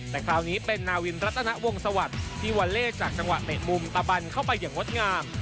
แต่คราวนี้เป็นนาวินรัตนวงสวัสดิ์ที่วอลเล่จากจังหวะเตะมุมตะบันเข้าไปอย่างงดงาม